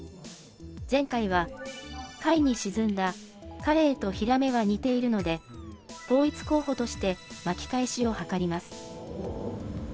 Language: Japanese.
前回は下位に沈んだカレイとヒラメは似ているので、統一候補として巻き返しを図ります。